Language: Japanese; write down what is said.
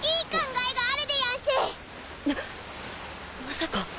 まさか。